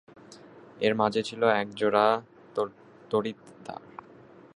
এর মাঝে ছিলো এক জোড়া তড়িৎদ্বার।